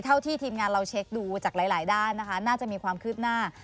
ที่ทีมงานเราเช็คดูจากหลายด้านนะคะน่าจะมีความคืบหน้า